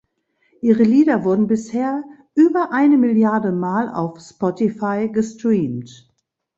Ihre Lieder wurden bisher über eine Milliarde Mal auf Spotify gestreamt.